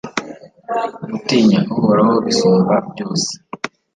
gutinya uhoraho bisumba byose